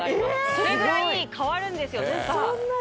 それぐらい変わるんですよ。